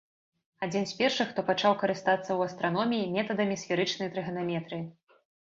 Адзін з першых, хто пачаў карыстацца ў астраноміі метадамі сферычнай трыганаметрыі.